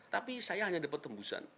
tapi saya hanya dapat tembusan